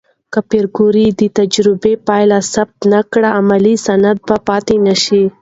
که پېیر کوري د تجربې پایله ثبت نه کړي، علمي سند به پاتې نشي.